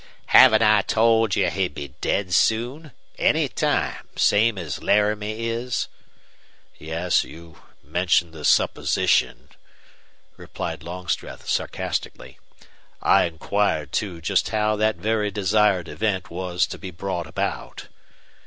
"Haven't I told you he'd be dead soon any time same as Laramie is?" "Yes, you mentioned the the supposition," replied Longstreth, sarcastically. "I inquired, too, just how that very desired event was to be brought about."